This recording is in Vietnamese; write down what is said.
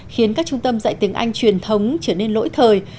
khiến các trung tâm dạy tiếng anh truyền thống trở nên lỗi thời